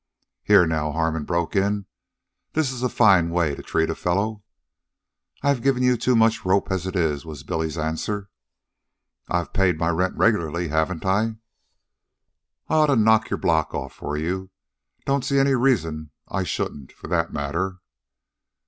"Here, now," Harmon broke in. "This is a fine way to treat a fellow." "I've given you too much rope as it is," was Billy's answer. "I've paid my rent regularly, haven't I?" "An' I oughta knock your block off for you. Don't see any reason I shouldn't, for that matter."